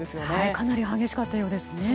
かなり激しかったようですね。